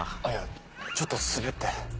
あっいやちょっと滑って。